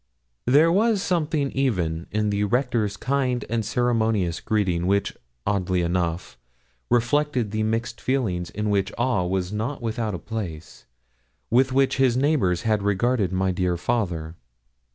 There was something even in the Rector's kind and ceremonious greeting which oddly enough reflected the mixed feelings in which awe was not without a place, with which his neighbours had regarded my dear father.